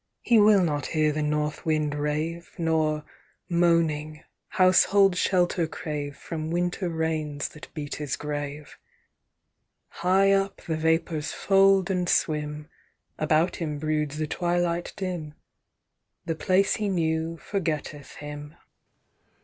"He will not hear the north wind rave, Nor, moaning, household shelter crave From winter rains that beat his grave. "High up the vapours fold and swim: About him broods the twilight dim: The place he knew forgetteth him."